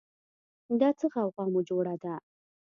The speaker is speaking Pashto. دا څه غوغا مو جوړه ده